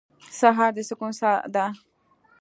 سهار د سکون ساه ده.